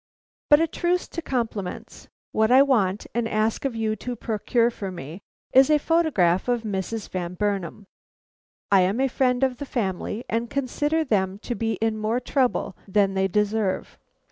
But a truce to compliments! What I want and ask of you to procure for me is a photograph of Mrs. Van Burnam. I am a friend of the family, and consider them to be in more trouble than they deserve.